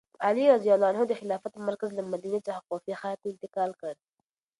علي رض د خلافت مرکز له مدینې څخه کوفې ښار ته انتقال کړ.